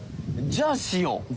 じゃあしよう。